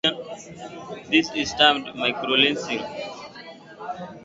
This is termed microlensing.